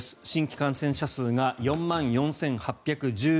新規感染者数が４万４８１１人。